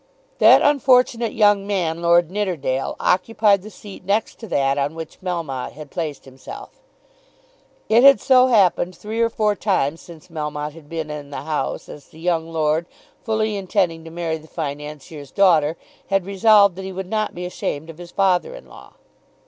That unfortunate young man, Lord Nidderdale, occupied the seat next to that on which Melmotte had placed himself. It had so happened three or four times since Melmotte had been in the House, as the young lord, fully intending to marry the Financier's daughter, had resolved that he would not be ashamed of his father in law.